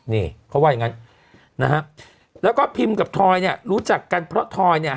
นี่เขาว่าอย่างงั้นนะฮะแล้วก็พิมกับทอยเนี่ยรู้จักกันเพราะทอยเนี่ย